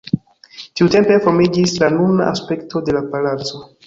Tiutempe formiĝis la nuna aspekto de la palaco.